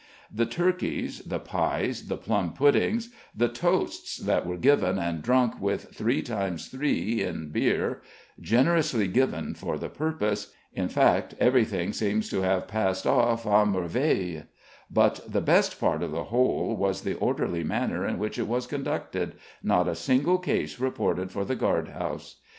The turkeys, the pies, the plum puddings; the toasts that were given and drunk with "three times three" in beer, generously given for the purpose, in fact, everything seemed to have passed off "a merveille;" but the best part of the whole, was the orderly manner in which it was conducted not a single case reported for the guard house.